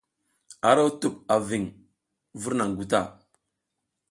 Aro tup a viŋ vur naŋ guta.